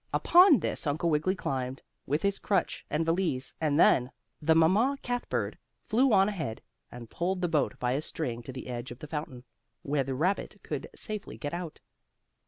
Upon this Uncle Wiggily climbed, with his crutch and valise, and then the mamma cat bird flew on ahead, and pulled the boat by a string to the edge of the fountain, where the rabbit could safely get out.